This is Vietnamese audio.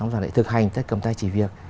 rằng lệ thực hành cầm tay chỉ việc